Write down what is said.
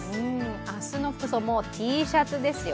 明日の服装、もうＴシャツですよ。